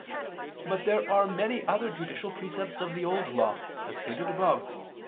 But there are many other judicial precepts of the Old Law, as stated above (Q.